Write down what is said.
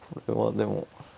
これはでも。